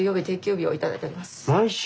毎週。